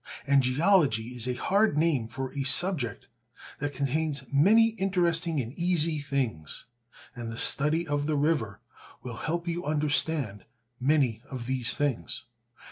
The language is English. And geology is a hard name for a subject that contains many interesting and easy things, and the study of the river will help you understand many of these things.